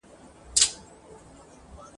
دا چي نن له خپله سېله را جلا یې `